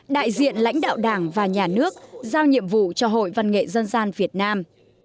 đại diện lãnh đạo đảng và nhà nước giao nhiệm vụ cho hội văn nghệ dân gian việt nam